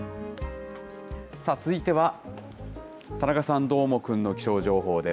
続いては田中さん、どーもくんの気象情報です。